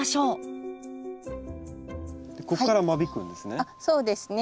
ここから間引くんですね。